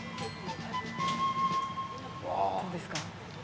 どうですか。